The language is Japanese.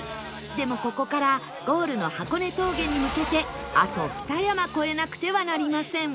でもここからゴールの箱根峠に向けてあとふた山越えなくてはなりません